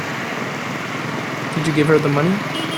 Did you give her the money?